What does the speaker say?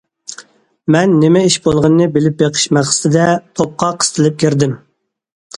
مەن نېمە ئىش بولغىنىنى بىلىپ بېقىش مەقسىتىدە توپقا قىستىلىپ كىردىم.